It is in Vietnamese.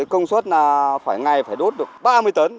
công suất là phải ngày phải đốt được ba mươi tấn